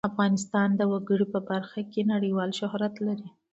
افغانستان د وګړي په برخه کې نړیوال شهرت لري.